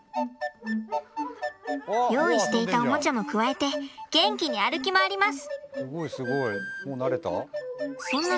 用意していたおもちゃもくわえて元気に歩き回ります！